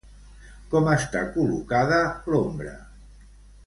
Com està col·locada l'ombra?